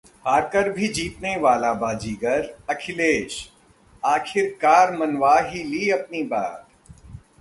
हारकर भी जीतने वाला बाजीगर 'अखिलेश', आखिरकार मनवा ही ली अपनी बात